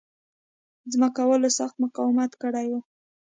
ځمکوالو سخت مقاومت کړی وای.